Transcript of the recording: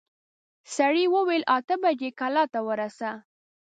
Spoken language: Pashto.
سړي وويل اته بجې کلا ته ورسه.